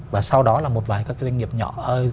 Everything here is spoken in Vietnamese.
và sau đó là một vài doanh nghiệp nhỏ